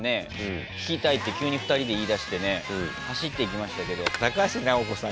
聞きたいって急に２人で言いだしてね走っていきましたけど高橋尚子さん